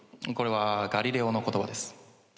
これはガリレオの言葉です。